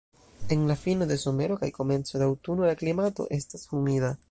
En la fino de somero kaj komenco de aŭtuno la klimato estas humida.